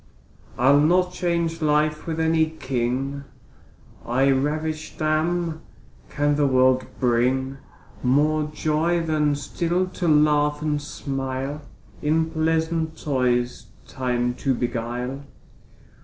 I'll not change life with any king, I ravisht am: can the world bring More joy, than still to laugh and smile, In pleasant toys time to beguile?